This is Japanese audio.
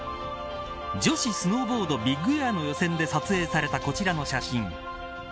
女子スノーボードビッグエアの予選で撮影されたこちらの写真。